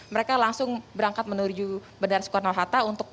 mereka langsung berangkat menuju bandar sukarno hatta